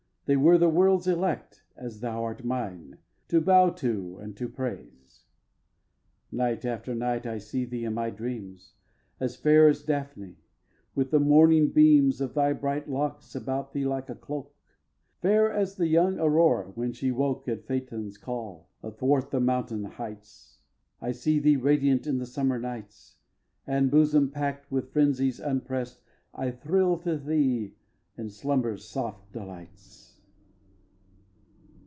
They were the world's elect, As thou art mine, to bow to and to praise. xiii. Night after night I see thee, in my dreams, As fair as Daphne, with the morning beams Of thy bright locks about thee like a cloak, Fair as the young Aurora when she woke At Phæthon's call, athwart the mountain heights. I see thee radiant in the summer nights, And, bosom pack'd with frenzies unrepress'd, I thrill to thee in Slumber's soft delights.